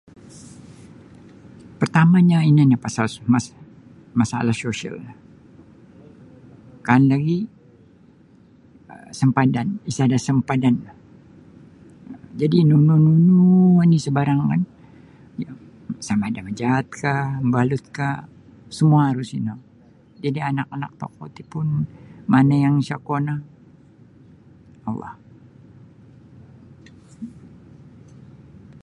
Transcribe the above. Partamanyo ino nio pasal mas masalah sosiyal no kaan lagi um sampadan sada sampadanlah jadi nunu nunu oni sabarangkan sama ada majaatkah mabalutkah semua aru sino jadi anak-anak tokou ti pun mana yang sa kuolah Allah.